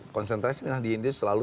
konsentrasi nahdidin itu selalu